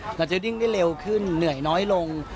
เราจะดิ้งได้เร็วขึ้นเหนื่อยน้อยลง